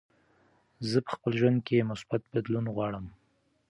زه په خپل ژوند کې مثبت بدلون غواړم.